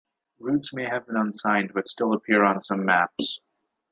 Routes may have been unsigned, but still appeared on some maps.